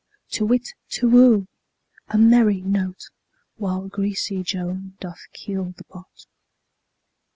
To whit, Tu whoo! A merry note! While greasy Joan doth keel the pot.